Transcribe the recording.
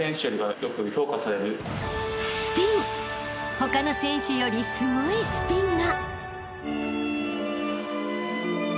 ［他の選手よりすごいスピンが！］